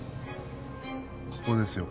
ここですよ